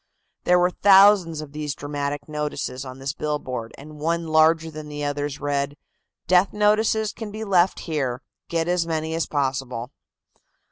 There were thousands of these dramatic notices on this billboard, and one larger than the others read: "Death notices can be left here; get as many as possible."